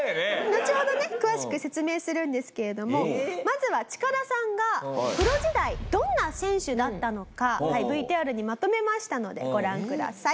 のちほどね詳しく説明するんですけれどもまずはチカダさんがプロ時代どんな選手だったのかＶＴＲにまとめましたのでご覧ください。